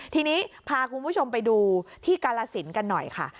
ทีนี้พาคุณผู้ชมไปดูที่กาลสินกันหน่อยค่ะ